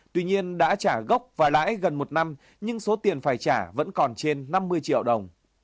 tuy nhiên đã trả gốc và lãi gần một năm nhưng số tiền phải trả vẫn còn trên năm mươi triệu đồng